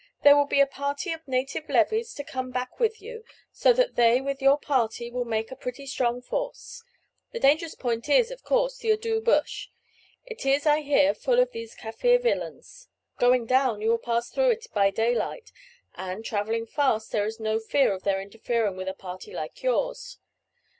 There will be a party of native levies to come back with you, so that they, with your party, will make a pretty strong force. The dangerous point is, of course, the Addoo Bush. It is, I hear, full of these Kaffir villains. Going down you will pass through it by daylight; and, travelling fast, there is no fear of their interfering with a party like yours.